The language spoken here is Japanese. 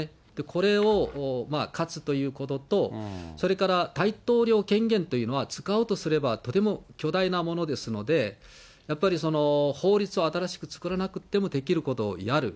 これを勝つということと、それから、大統領権限というのは使うとすればとても巨大なものですので、やっぱり、その法律を新しく作らなくてもできることをやる。